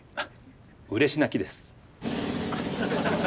うれし泣きです。